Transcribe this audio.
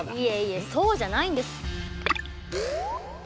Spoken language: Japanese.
いえいえそうじゃないんです。